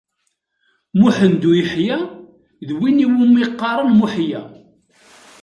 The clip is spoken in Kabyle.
Muḥend u Yeḥya d win iwumi qqaren Muḥya.